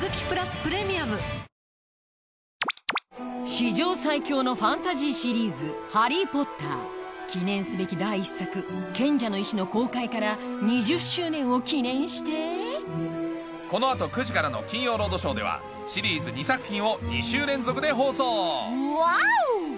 史上最強のファンタジーシリーズ『ハリー・ポッター』記念すべき第１作『賢者の石』の公開から２０周年を記念してこの後９時からの『金曜ロードショー』ではシリーズ２作品を２週連続で放送ワオ！